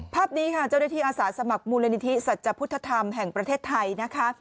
ภาพนี้ค่ะเจ้าหน้าที่อาสาสมัครมูลนิธิสัจพุทธธรรมแห่งประเทศไทยนะคะ